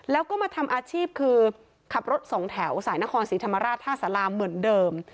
แล้วก็มาทำอาชีพคือขับรถสองแถวสายนครศรีธรรมราชท่าสาราเหมือนเดิม